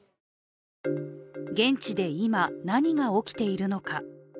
現地で今、何が起きているのか。